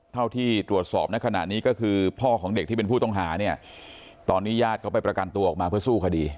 เท่าที่ตรวจสอบในขณะนี้ก็คือพ่อของเด็กที่เป็นผู้ต้องหาเนี่ยตอนนี้ญาติเขาไปประกันตัวออกมาเพื่อสู้คดี